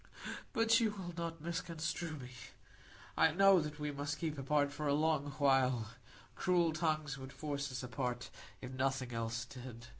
But you will not misconstrue me. I know that we must keep apart for a long while; cruel tongues would force us apart, if nothing else did.